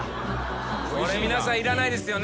これ皆さんいらないですよね。